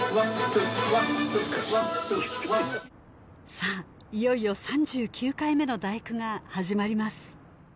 さあいよいよ３９回目の「第九」が始まります